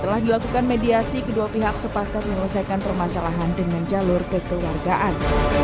setelah dilakukan mediasi kedua pihak sepakat menyelesaikan permasalahan dengan jalur kekeluargaan